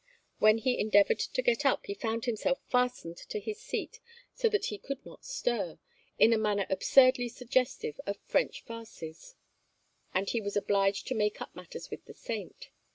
When he endeavoured to get up he found himself fastened to his seat so that he could not stir, in a manner absurdly suggestive of French farces; and he was obliged to make up matters with the saint.